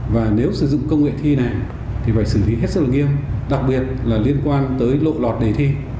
và nếu sử dụng công nghệ thi này thì phải xử lý hết sức là nghiêm đặc biệt là liên quan tới lộ lọt đề thi